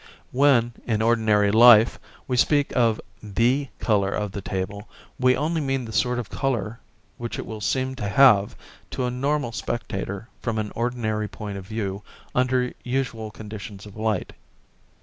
When, in ordinary life, we speak of the colour of the table, we only mean the sort of colour which it will seem to have to a normal spectator from an ordinary point of view under usual conditions of light.